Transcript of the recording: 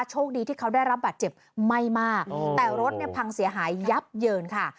โชคดีที่เขาได้รับบาดเจ็บไม่มากแต่รถเนี่ยพังเสียหายยับเยินค่ะ